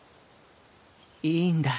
いいんだ